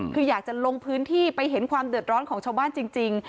คืออยากจะลงพื้นที่ไปเห็นความเดือดร้อนของชาวบ้านจริง